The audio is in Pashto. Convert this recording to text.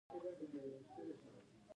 تاریخ د پېړيو پېړۍ خبرې کوي.